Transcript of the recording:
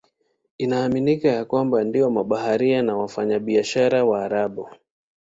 Inaaminika ya kwamba ndio mabaharia na wafanyabiashara Waarabu.